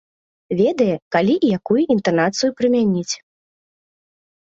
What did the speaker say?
Ведае, калі і якую інтанацыю прымяніць.